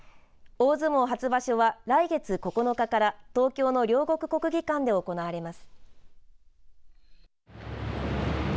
大相撲初場所は来月９日から東京の両国国技館で行われます。